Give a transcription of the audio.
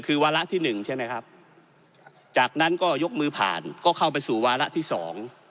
คือวาระที่หนึ่งใช่ไหมครับจากนั้นก็ยกมือผ่านก็เข้าไปสู่วาระที่สอง